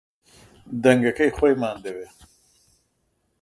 دەنگەکەی خۆیمان دەوێ